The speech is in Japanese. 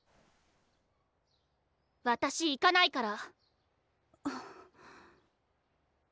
私行かないから。